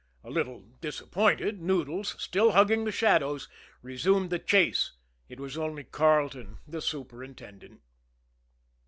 A little disappointed, Noodles, still hugging the shadows, resumed the chase it was only Carleton, the superintendent.